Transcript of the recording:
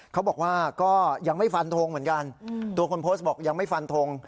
เขาบอกว่าก็ยังไม่ฟันทงเหมือนกันตัวคนโพสต์บอกยังไม่ฟันทง